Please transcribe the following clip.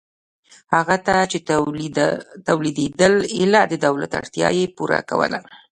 هغه څه چې تولیدېدل ایله د دولت اړتیا یې پوره کوله.